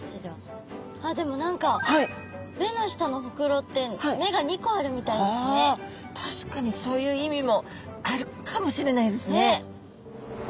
あっでも何か目の下のほくろってあ確かにそういう意味もあるかもしれないですね。